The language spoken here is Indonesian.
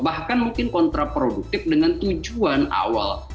bahkan mungkin kontraproduktif dengan tujuan awal